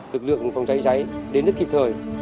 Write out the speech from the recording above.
lực lượng phòng cháy cháy đến rất kịp thời